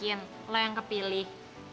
lo yakin lo yang kepilih